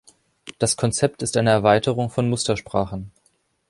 Das Konzept ist eine Erweiterung von Mustersprachen.